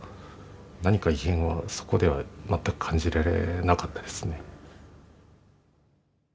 何か異変はそこでは全く感じられなかったですね。